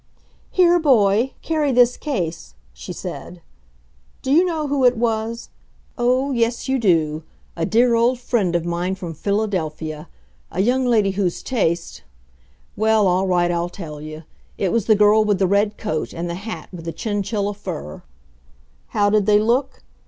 "Here, boy, carry this case," she said. Do you know who it was? Oh, yes, you do, a dear old friend of mine from Philadelphia, a young lady whose taste well, all right, I'll tell you: it was the girl with the red coat, and the hat with the chinchilla fur. How did they look?